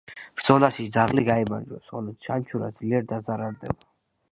ბრძოლაში ძაღლი გაიმარჯვებს, ხოლო ჩანჩურა ძლიერ დაზარალდება.